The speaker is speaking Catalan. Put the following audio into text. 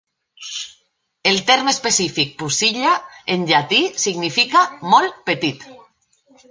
El terme específic "pusilla" en llatí significa "molt petit".